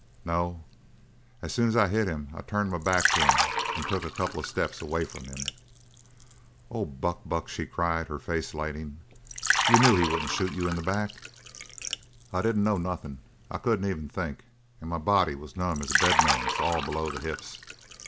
"No. As soon as I hit him I turned my back to him and took a couple of steps away from him." "Oh, Buck, Buck!" she cried, her face lighting. "You knew he wouldn't shoot you in the back!" "I didn't know nothin'. I couldn't even think and my body was numb as a dead man's all below the hips.